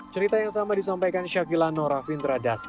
cerita yang sama disampaikan syakila noravindra dastang